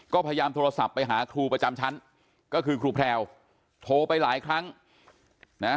ก็พยายามโทรศัพท์ไปหาครูประจำชั้นก็คือครูแพรวโทรไปหลายครั้งนะ